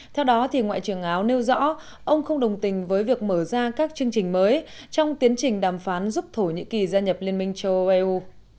theo đó ngoại trưởng áo nêu rõ ông không đồng tình với việc mở ra các chương trình mới trong tiến trình đàm phán giúp thổ nhĩ kỳ gia nhập liên minh châu âu eu